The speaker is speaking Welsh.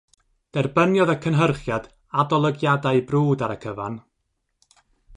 Derbyniodd y cynhyrchiad adolygiadau brwd ar y cyfan.